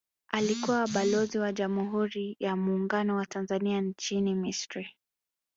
Alikuwa Balozi wa Jamhuri ya Muungano wa Tanzania nchini Misri